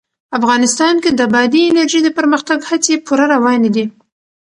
افغانستان کې د بادي انرژي د پرمختګ هڅې پوره روانې دي.